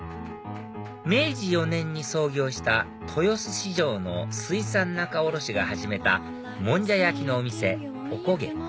明治４年に創業した豊洲市場の水産仲卸が始めたもんじゃ焼きのお店おこげ